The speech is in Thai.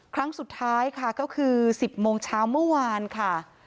ครั้งสุดท้ายค่ะก็คือ๑๐โมงเช้าเมื่อวานค่ะ